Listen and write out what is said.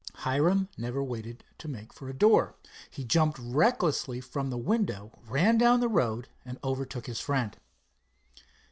Hiram never waited to make for a door. He jumped recklessly from the window, ran down the road, and overtook his friend.